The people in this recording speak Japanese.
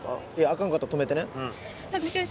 アカンかったら止めてね。